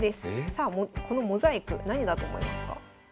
さあこのモザイク何だと思いますか？